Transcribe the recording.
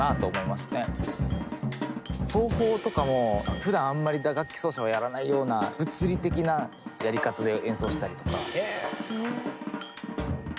奏法とかもふだんあんまり打楽器奏者はやらないような物理的なやり方で演奏したりとか。